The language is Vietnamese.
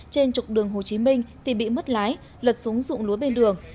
trên trục đường hồ chí minh thì bị mất lái lật xuống dụng lúa bên đường